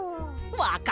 わかった！